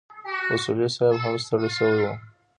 اصولي صیب هم ستړی شوی و.